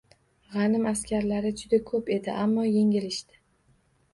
Gʻanim lashkari juda koʻp edi, ammo yengilishdi.